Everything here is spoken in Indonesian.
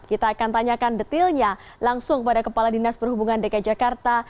kita akan tanyakan detailnya langsung kepada kepala dinas perhubungan dki jakarta